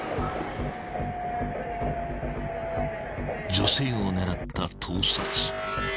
［女性を狙った盗撮］